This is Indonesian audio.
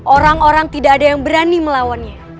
orang orang tidak ada yang berani melawannya